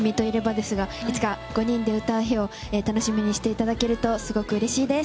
ですがいつか５人で歌う日を楽しみにしていただけるとすごくうれしいです。